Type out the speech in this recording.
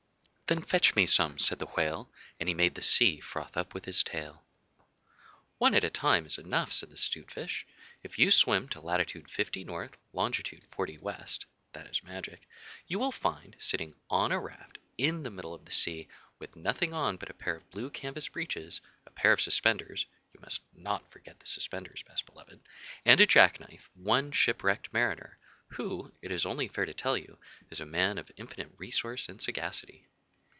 'Then fetch me some,' said the Whale, and he made the sea froth up with his tail. 'One at a time is enough,' said the 'Stute Fish. 'If you swim to latitude Fifty North, longitude Forty West (that is magic), you will find, sitting on a raft, in the middle of the sea, with nothing on but a pair of blue canvas breeches, a pair of suspenders (you must not forget the suspenders, Best Beloved), and a jack knife, one ship wrecked Mariner, who, it is only fair to tell you, is a man of infinite resource and sagacity.